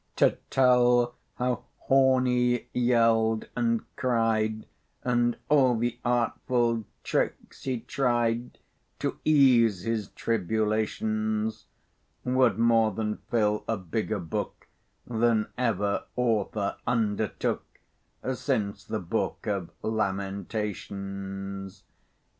To tell how Horny yelled and cried, And all the artful tricks he tried, To ease his tribulations, Would more than fill a bigger book Than ever author undertook, Since the Book of Lamentations.